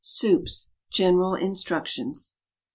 SOUPS. GENERAL INSTRUCTIONS.